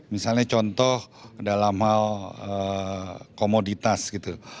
misalnya contoh dalam hal komoditas gitu